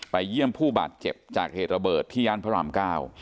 เยี่ยมผู้บาดเจ็บจากเหตุระเบิดที่ย่านพระรามเก้า